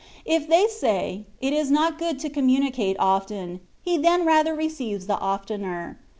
If they say, it is not good to com municate often, he then rather receives the oftener.